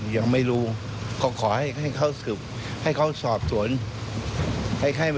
อย่างมันจะเป็นเเตอร์ตามที่เค้าขอ้างเหน้อ